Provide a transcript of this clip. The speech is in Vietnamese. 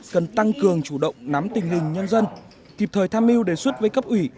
cần tăng cường chủ động nắm tình hình nhân dân kịp thời tham mưu đề xuất với cấp ủy